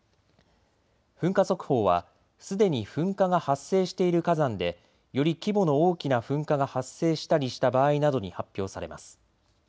噴火速報はすでに噴火が発生している火山で、より規模の大きな噴火が発生したりした場合などに発表されます。